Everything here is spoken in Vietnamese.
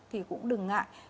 thì cũng đừng ngại